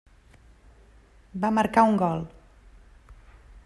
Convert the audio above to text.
Va marcar un gol.